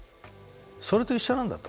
それと一緒なんだと。